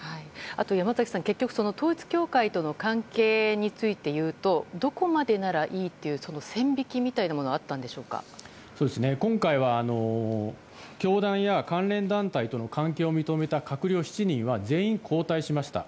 あと山崎さん、統一教会との関係についていうとどこまでならいいという線引きみたいなものは今回は、教団や関連団体との関係を認めた閣僚７人は全員交代しました。